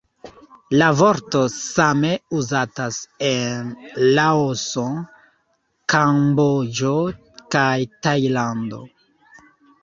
La vorto same uzatas en Laoso, Kamboĝo kaj Tajlando.